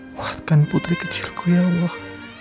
buatan putri kecilku ya allah